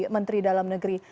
menteri dalam negeri